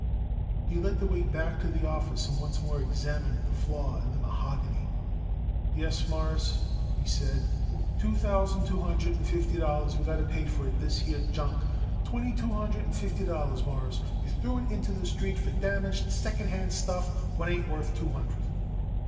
He led the way back to the office and once more examined the flaw in the mahogany. "Yes, Mawruss," he said, "two thousand two hundred and fifty dollars we got to pay it for this here junk. Twenty two hundred and fifty dollars, Mawruss, you throw it into the street for damaged, second hand stuff what ain't worth two hundred."